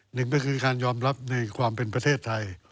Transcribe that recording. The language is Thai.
หนึ่งก็คือการยอมรับในความเป็นประเทศไทย